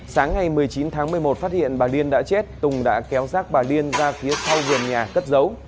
sáng ngày một mươi chín tháng một mươi một phát hiện bà liên đã chết tùng đã kéo rác bà liên ra phía sau vườn nhà cất giấu